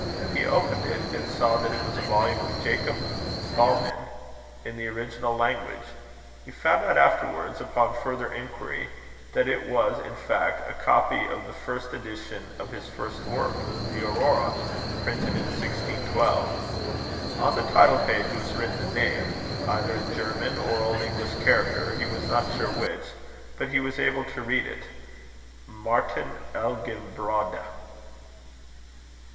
He opened it, and saw that it was a volume of Jacob Boehmen, in the original language. He found out afterwards, upon further inquiry, that it was in fact a copy of the first edition of his first work, The Aurora, printed in 1612. On the title page was written a name, either in German or old English character, he was not sure which; but he was able to read it Martin Elginbrodde.